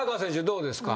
どうですか？